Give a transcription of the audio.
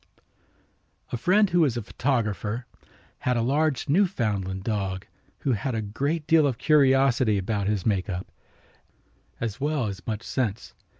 A friend who was a photographer had a large Newfoundland dog who had a great deal of curiosity about his make up, as well as much sense.